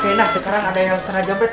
oke nah sekarang ada yang ternyata jambret